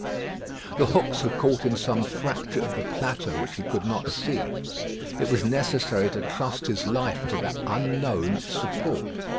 The hooks had caught in some fracture of the plateau which he could not see. It was necessary to trust his life to that unknown support.